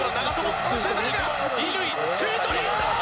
乾シュートにいった！